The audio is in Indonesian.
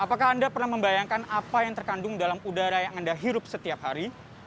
apakah anda pernah membayangkan apa yang terkandung dalam udara yang anda hirup setiap hari